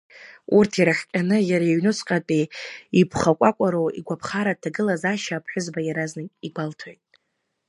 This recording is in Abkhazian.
Урҭ ирыхҟьаны иара иҩнуҵҟатәи иԥхакәакәароу игәаԥхаратә ҭагылазаашьа аԥҳәызба иаразнак игәалҭоит.